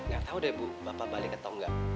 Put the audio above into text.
gak tau deh bu bapak balik atau enggak